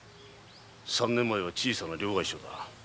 三年前は小さな両替商だ。